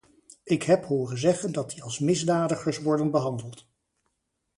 Ik heb horen zeggen dat die als misdadigers worden behandeld.